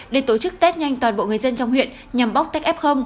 để tổ chức test nhanh toàn bộ người dân trong huyện nhằm bóc tách f